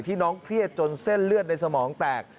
น้องเครียดจนเส้นเลือดในสมองแตก